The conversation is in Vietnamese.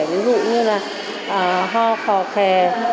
ví dụ như là ho khò khe